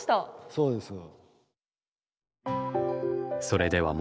そうですね。